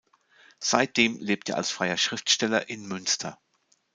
Seitdem lebt er als freier Schriftsteller in Münster.